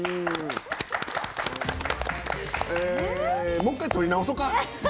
もう一回、撮り直そうか。